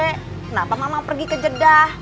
kenapa mama pergi ke jeddah